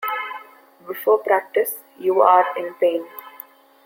Before practice, you are in pain.